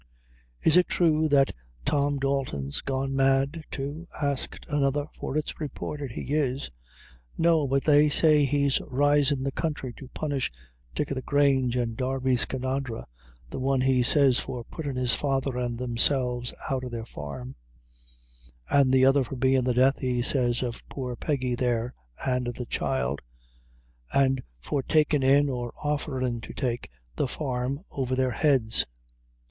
"Is it thrue that Tom Dalton's gone mad, too?" asked another; "for it's reported he is." "No; but they say he's risin' the counthry to punish Dick o' the Grange and Darby Skinadre the one, he says, for puttin' his father and themselves out o' their farm; and the other for bein' the death, he says, of poor Peggy there and the child; an' for tak in', or offerin' to take, the farm over their heads."